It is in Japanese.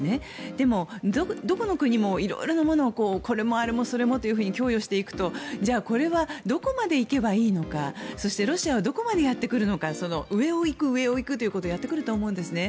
でもどこの国も色々なものをこれも、あれもそれもと供与していくとじゃあこれはどこまで行けばいいのかそしてロシアはどこまでやってくるのかその上を行く上を行くということをやってくると思うんですね。